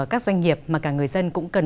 các doanh nghiệp mà cả người dân